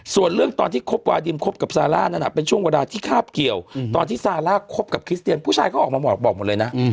ส่วนเรื่องตอนที่คบวาดิมคบกับซาร่านั้นเป็นช่วงเวลาที่คาบเกี่ยวตอนที่ซาร่าคบกับคริสเตียนผู้ชายเขาออกมาบอกหมดเลยนะ